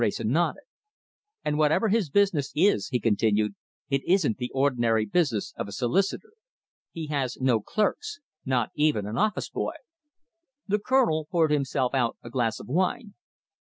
Wrayson nodded. "And whatever his business is," he continued, "it isn't the ordinary business of a solicitor. He has no clerks not even an office boy!" The Colonel poured himself out a glass of wine.